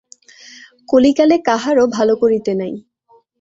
কলিকালে কাহারো ভালো করিতে নাই।